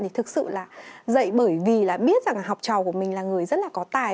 thì thực sự là dạy bởi vì là biết rằng là học trò của mình là người rất là có tài